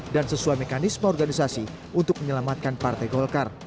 dan sesuai mekanisme organisasi untuk menyelamatkan partai golkar